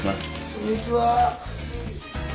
こんにちは。